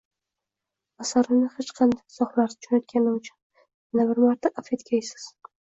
Asarimni hech qanday izohlarsiz jo`natganim uchun yana bir marta avf etgaysiz